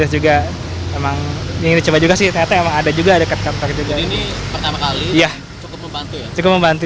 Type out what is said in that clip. juga memang ini coba juga sih ada juga dekat kantor juga ini pertama kali ya cukup membantu